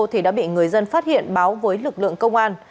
thì đã bị người dân phát hiện báo với lực lượng công an